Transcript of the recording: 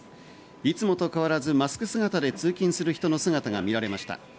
いつもと変わらずマスク姿で通勤する人の姿が見られました。